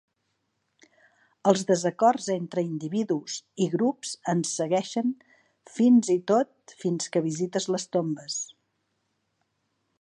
Els desacords entre individus i grups ens segueixen "fins i tot fins que visites les tombes".